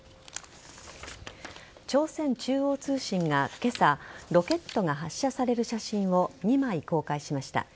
朝鮮中央通信が今朝ロケットが発射される写真を２枚、公開しました。